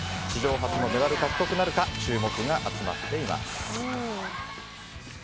史上初のメダル獲得なるか注目が集まっています。